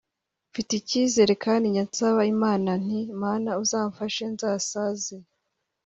Mfite icyizere kandi njya nsaba Imana nti ‘Mana uzamfashe nzasaze